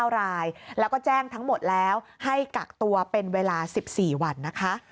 ๙รายแล้วก็แจ้งทั้งหมดแล้วให้กักตัวเป็นเวลา๑๔วันนะคะ